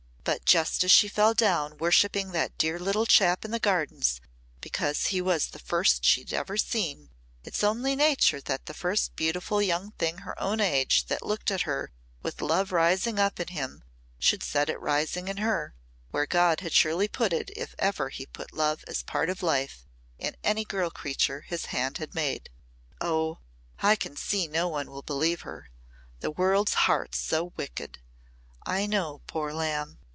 But just as she fell down worshipping that dear little chap in the Gardens because he was the first she'd ever seen it's only nature that the first beautiful young thing her own age that looked at her with love rising up in him should set it rising in her where God had surely put it if ever He put love as part of life in any girl creature His hand made. But Oh! I can see no one will believe her! The world's heart's so wicked. I know, poor lamb.